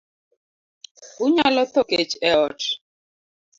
Unyalo tho kech e ot.